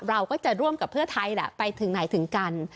เราก็จะร่วมกับเพื่อไทยแหละไปถึงไหนถึงกัน